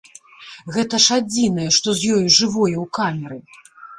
Гэта ж адзінае, што з ёю жывое ў камеры!